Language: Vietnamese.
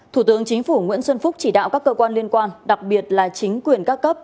thủ tướng chính phủ nguyễn xuân phúc chỉ đạo các cơ quan liên quan đặc biệt là chính quyền các cấp